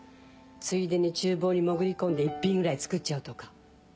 ついでに厨房に潜り込んで一品ぐらい作っちゃうとか。